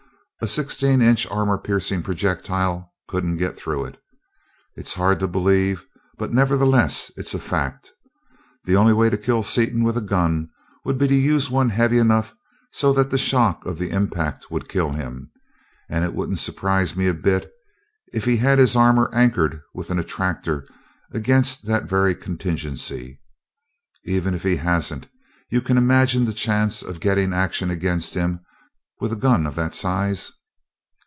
A sixteenth inch armor piercing projectile couldn't get through it. It's hard to believe, but nevertheless it's a fact. The only way to kill Seaton with a gun would be to use one heavy enough so that the shock of the impact would kill him and it wouldn't surprise me a bit if he had his armor anchored with an attractor against that very contingency. Even if he hasn't, you can imagine the chance of getting action against him with a gun of that size."